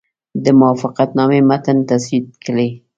د موافقتنامې متن تسوید کړي.